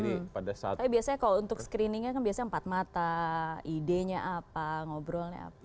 tapi biasanya kalau untuk screeningnya kan biasanya empat mata idenya apa ngobrolnya apa